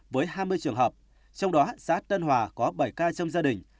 với hai mươi trường hợp trong đó xã tân hòa có bảy ca trong gia đình